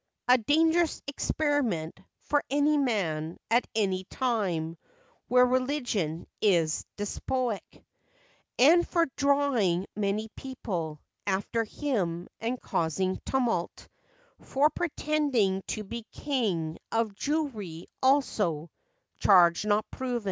(A dangerous experiment For any man, at any time, Where religion is despotic;) And for drawing many people After him and causing tumult, For pretending to be king of Jewry, also; charge not proven.